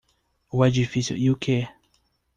O edifício e o que?